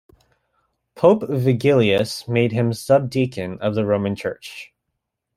Pope Vigilius made him Subdeacon of the Roman Church.